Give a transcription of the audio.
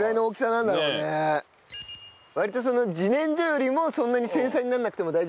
割と自然薯よりもそんなに繊細になんなくても大丈夫ですよね？